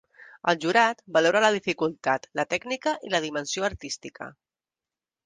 El jurat valora la dificultat, la tècnica i la dimensió artística.